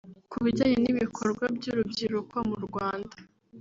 Ku bijyanye n’ibikorwa by’urubyiruko mu Rwanda